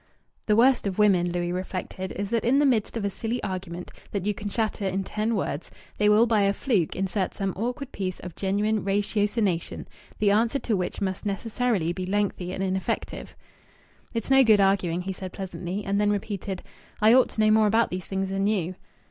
The worst of women, Louis reflected, is that in the midst of a silly argument that you can shatter in ten words they will by a fluke insert some awkward piece of genuine ratiocination, the answer to which must necessarily be lengthy and ineffective. "It's no good arguing," he said pleasantly, and then repeated, "I ought to know more about these things than you."